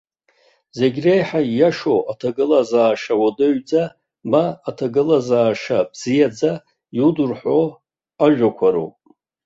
Зегь реиҳа ииашоу аҭагылазаашьа уадаҩӡа, ма аҭагылазаашьа бзиаӡа иудырҳәо ажәақәа роуп.